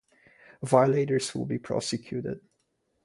Violators will be prosecuted.